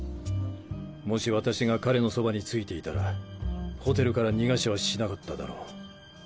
もし私が彼のそばについていたらホテルから逃がしはしなかっただろう。